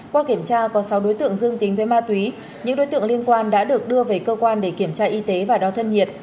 qua kiểm tra có sáu đối tượng dương tính với ma túy những đối tượng liên quan đã được đưa về cơ quan để kiểm tra y tế và đo thân nhiệt